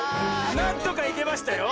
なんとかいけましたよ。